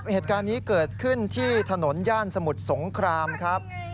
เหตุการณ์นี้เกิดขึ้นที่ถนนย่านสมุทรสงครามครับ